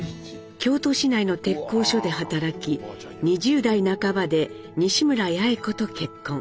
京都市内の鉄工所で働き２０代半ばで西村八重子と結婚。